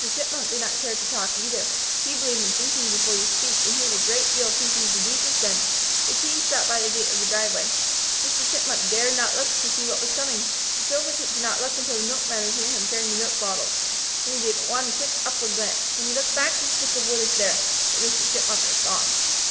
Chipmunk did not care to talk, either. He believed in thinking before you speak, and he had a great deal of thinking to do just then. A team stopped by the gate of the driveway. Mr. Chipmunk dared not look to see what was coming. Silvertip did not look until the Milkman was near him carrying the milk bottles. Then he gave one quick upward glance. When he looked back, the stick of wood was there, but Mr. Chipmunk was gone.